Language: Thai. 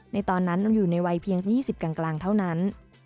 ในตอนนั้นเราอยู่ในวัยเพียง๒๐กลางเท่านั้น